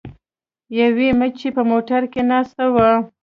یوې مچۍ په موټر کې ناسته وه.